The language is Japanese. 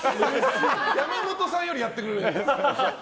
山本さんよりやってくれる。